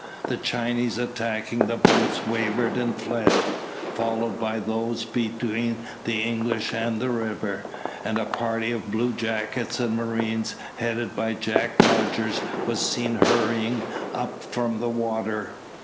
The Chinese attacking the boats wavered and fled, followed by those between the English and the river; and a party of bluejackets and marines, headed by Jack Rogers, was seen hurrying up from the water.